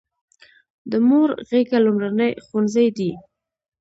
د مور غیږه لومړنی ښوونځی دی.